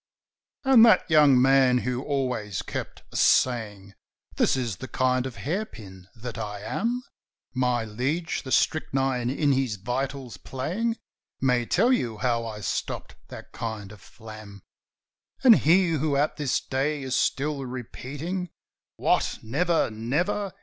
"And that young man who always kept a saying, 'That is the kind of hair pin that I am'?" "My liege, the strychnine in his vitals playing May tell you how I stopped that kind of flam. "And he who at this day is still repeating, 'What, never, never?